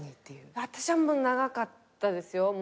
私は長かったですよ。